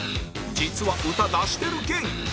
実は歌出してる芸人